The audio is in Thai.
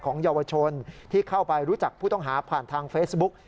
เยาวชนที่เข้าไปรู้จักผู้ต้องหาผ่านทางเฟซบุ๊ก